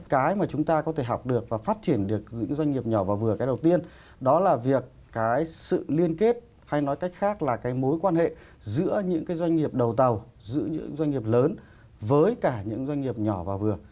cái mà chúng ta có thể học được và phát triển được những doanh nghiệp nhỏ và vừa cái đầu tiên đó là việc cái sự liên kết hay nói cách khác là cái mối quan hệ giữa những cái doanh nghiệp đầu tàu giữa những doanh nghiệp lớn với cả những doanh nghiệp nhỏ và vừa